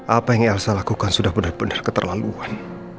apa yang elsa lakukan sudah bener bener keterlaluan